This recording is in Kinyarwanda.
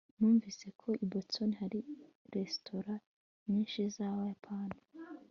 numvise ko i boston hari resitora nyinshi z'abayapani